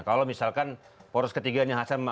kalau misalkan poros ketiganya